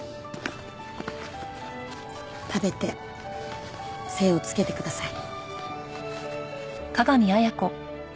食べて精をつけてください。